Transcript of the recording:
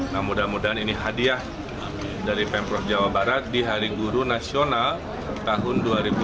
nah mudah mudahan ini hadiah dari pemprov jawa barat di hari guru nasional tahun dua ribu dua puluh